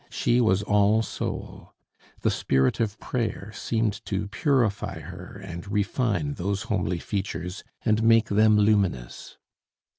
She was all soul. The spirit of prayer seemed to purify her and refine those homely features and make them luminous.